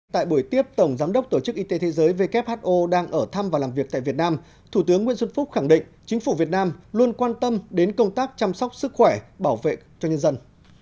tại buổi tiếp tổng giám đốc tổ chức y tế thế giới who đang ở thăm và làm việc tại việt nam thủ tướng nguyễn xuân phúc khẳng định chính phủ việt nam luôn quan tâm đến công tác chăm sóc sức khỏe bảo vệ cho nhân dân